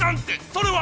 それは！